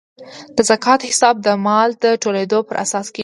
د زکات حساب د مال د ټولیدو پر اساس کیږي.